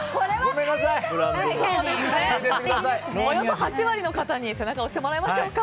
８割の方に背中を押してもらいましょうか。